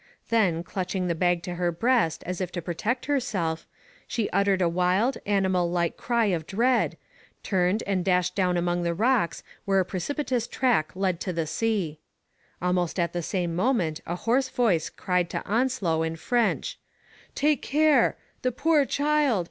Then, clutching the bag to her breast as if to protect herself, she uttered a wild, animal like cry of dread, turned and dashed down among the rocks where a precipitous track led to the sea. Almost at the same moment a hoarse voice cried to Onslow in French : Take care! The poor child!